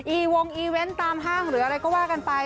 วงอีเวนต์ตามห้างหรืออะไรก็ว่ากันไป